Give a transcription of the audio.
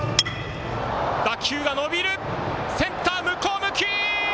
打球が伸びる、センター、むこう向き。